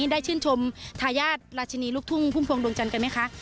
ได้ชื่นชมทายาทราชินีลูกทุ่งพุ่มพวงดวงจันทร์กันไหมคะ